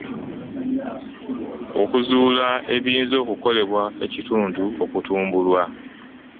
Okuzuula Ebiyinza Okukolebwa ekitundu okutumbulwa.